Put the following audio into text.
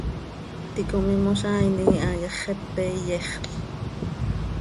ticom imozaainim iha yax, xepe iyexl.